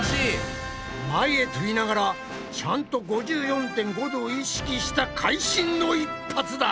前へとびながらちゃんと５４．５度を意識した会心の一発だ！